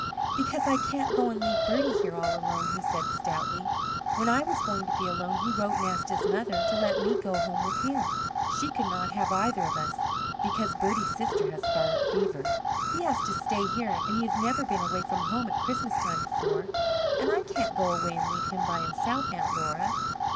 "Because I can't go and leave Bertie here all alone," he said stoutly. "When I was going to be alone he wrote and asked his mother to let me go home with him. She could not have either of us because Bertie's sister has scarlet fever. He has to stay here, and he has never been away from home at Christmas time before, and I can't go away and leave him by himself, Aunt Laura."